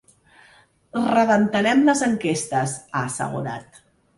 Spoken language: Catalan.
Rebentarem les enquestes, ha assegurat.